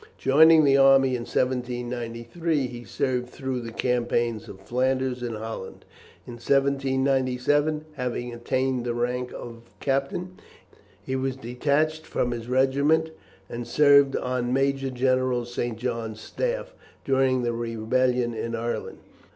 Joining the army in 1793, he served through the campaigns of Flanders and Holland. In 1797, having attained the rank of captain, he was detached from his regiment and served on Major general St. John's staff during the rebellion in Ireland.